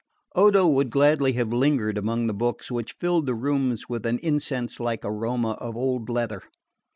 Odo would gladly have lingered among the books which filled the rooms with an incense like aroma of old leather.